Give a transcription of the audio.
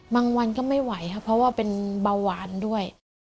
วันก็ไม่ไหวค่ะเพราะว่าเป็นเบาหวานด้วย